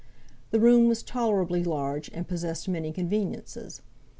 The room was tolerably large, and possessed many conveniences.